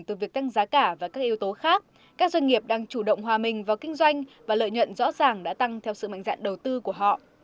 từ việc tăng giá cả và các yếu tố khác các doanh nghiệp đang chủ động hòa mình vào kinh doanh và lợi nhuận rõ ràng đã tăng theo sự mạnh dạng đầu tư của họ